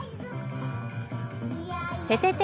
ててて！